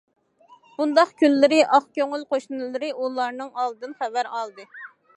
بۇنداق كۈنلىرى ئاق كۆڭۈل قوشنىلىرى ئۇلارنىڭ ھالىدىن خەۋەر ئالدى.